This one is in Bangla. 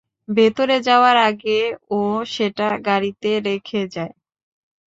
ভেতরে যাওয়ার আগে ও সেটা গাড়িতে রেখে যায়।